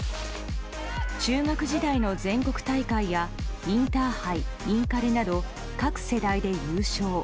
中学時代の全国大会やインターハイ、インカレなど各世代で優勝。